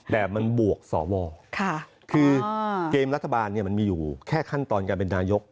แต่มันบวกสวคือเกมรัฐบาลมันมีอยู่แค่ขั้นตอนการเป็นนายก